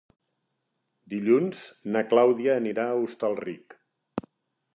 Dilluns na Clàudia anirà a Hostalric.